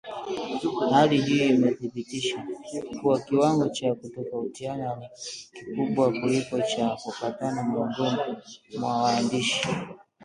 Hali hii imedhibitisha kuwa kiwango cha kutofautiana ni kikubwa kuliko cha kupatana miongoni mwa waandishi